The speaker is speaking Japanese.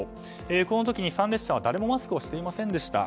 この時、参列者は誰もマスクをしていませんでした。